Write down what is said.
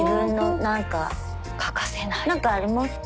何かありますか？